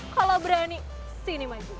kalau berani sini maju